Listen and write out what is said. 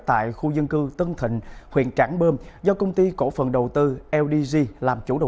tại khu dân cư tân thịnh huyện trảng bơm do công ty cổ phần đầu tư ldg làm chủ đầu